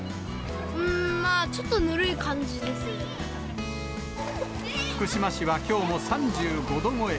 うーん、まあちょっとぬるい福島市はきょうも３５度超え。